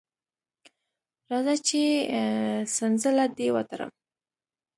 راځه چې څنځله دې وتړم.